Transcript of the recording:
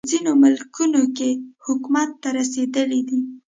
په ځینو ملکونو کې حکومت ته رسېدلی دی.